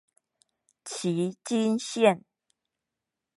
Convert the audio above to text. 旗津線